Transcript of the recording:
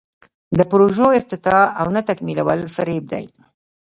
د پروژو افتتاح او نه تکمیلول فریب دی.